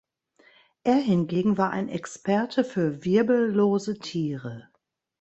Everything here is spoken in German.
Er hingegen war ein Experte für wirbellose Tiere.